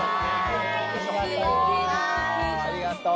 ありがとう。